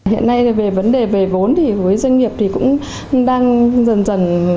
hiện nay về vấn đề về vốn thì với doanh nghiệp thì cũng đang dần dần